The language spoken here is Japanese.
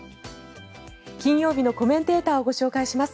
金曜日のコメンテーターをご紹介します。